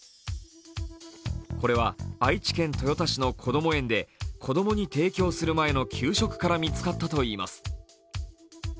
これは愛知県豊田市のこども園で子供に提供する前の給食から見つかったといいます。